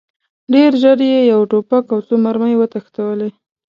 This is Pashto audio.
ډېر ژر یې یو توپک او څو مرمۍ وتښتولې.